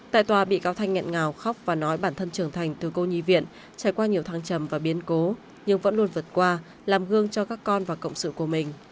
tại tòa bị cáo thanh nghẹn ngào khóc và nói bản thân trưởng thành từ cô nhi viện trải qua nhiều thăng trầm và biến cố nhưng vẫn luôn vượt qua làm gương cho các con và cộng sự của mình